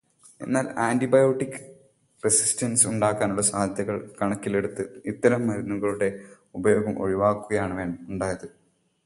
എന്നാൽ antibiotic resistance ഉണ്ടാകാനുള്ള സാധ്യതകൾ കണക്കിലെടുത്ത് ഇത്തരം മരുന്നുകളുടെ ഉപയോഗം ഒഴിവാക്കുകയാണുണ്ടായത്.